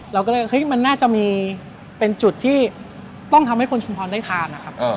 เราก็เลยเฮ้ยมันน่าจะมีเป็นจุดที่ต้องทำให้คนชุมพรได้ทานนะครับ